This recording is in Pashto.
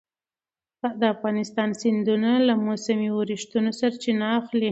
د افغانستان سیندونه له موسمي اورښتونو سرچینه اخلي.